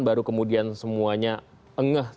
baru kemudian semuanya engeh tentang